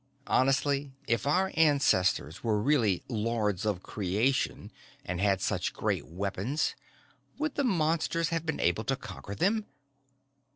Honestly? If our ancestors were really Lords of Creation and had such great weapons, would the Monsters have been able to conquer them?